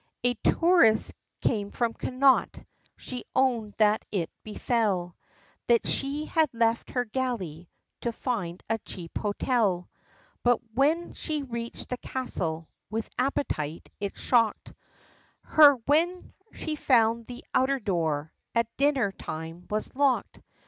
As tourist come from Connaught, she owned that it befel, That she had left her galley, to find a cheap hotel, But when she reached the castle, with appetite, it shocked Her, when she found the outer door, at dinner time was locked!